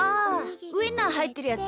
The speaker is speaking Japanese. ウインナーはいってるやつ。